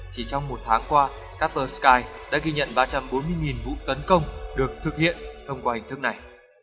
chỉ trong một tháng qua captersky đã ghi nhận ba trăm bốn mươi vụ tấn công được thực hiện thông qua hình thức này